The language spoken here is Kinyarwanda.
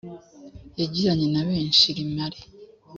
yagiranye na benshi rimare